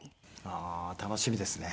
ああー楽しみですね。